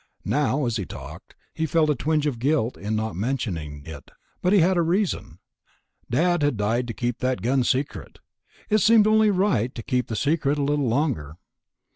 Now as he talked, he felt a twinge of guilt in not mentioning it.... But he had a reason. Dad had died to keep that gun secret. It seemed only right to keep the secret a little longer.